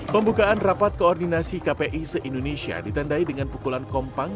pembukaan rapat koordinasi kpi se indonesia ditandai dengan pukulan kompang